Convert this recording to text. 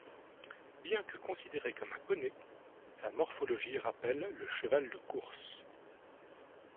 Bien que considéré comme un poney, sa morphologie rappelle le cheval de course.